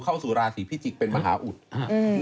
เข้าสู่ราศีพิจิกษ์เป็นมหาอุทธิ์